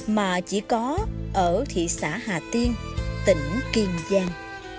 mà chỉ có ở thị xã hà tiên tỉnh kiên giang